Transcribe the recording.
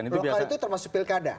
lokal itu termasuk pilkada